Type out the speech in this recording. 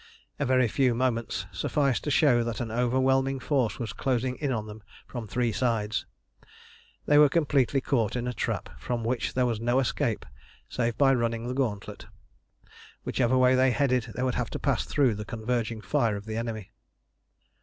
A very few moments sufficed to show that an overwhelming force was closing in on them from three sides. They were completely caught in a trap, from which there was no escape save by running the gauntlet. Whichever way they headed they would have to pass through the converging fire of the enemy.